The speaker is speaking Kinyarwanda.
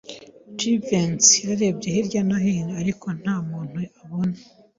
Jivency yarebye hirya no hino, ariko nta muntu abona.